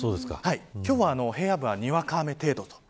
今日は平野部はにわか雨程度と。